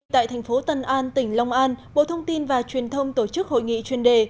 tại thành phố tân an tỉnh long an bộ thông tin và truyền thông tổ chức hội nghị chuyên đề